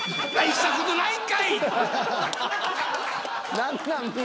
［何なん？